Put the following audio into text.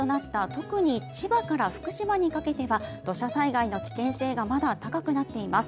特に千葉から福島にかけては土砂災害の危険性がまだ高くなっています。